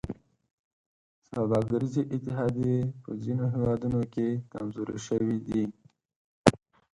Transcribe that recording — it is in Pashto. سوداګریزې اتحادیې په ځینو هېوادونو کې کمزورې شوي دي